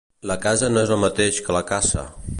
La casa no és el mateix que la caça